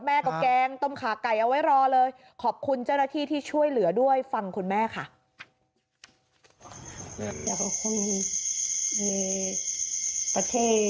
แม่ก็แกงต้มขาไก่เอาไว้รอเลยขอบคุณเจ้าหน้าที่ที่ช่วยเหลือด้วยฟังคุณแม่ค่ะ